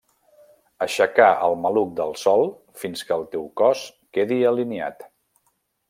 Aixecar el maluc del sòl fins que el teu cos quedi alineat.